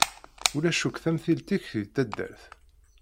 Ulac akk tamtilt-ik di taddart.